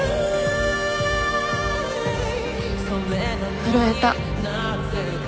震えた。